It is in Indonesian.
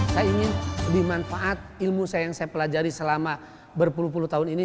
saya ingin lebih manfaat ilmu saya yang saya pelajari selama berpuluh puluh tahun ini